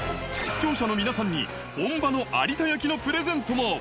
視聴者の皆様に本場の有田焼のプレゼントも。